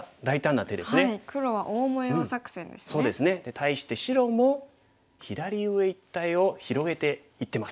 対して白も左上一帯を広げていってます。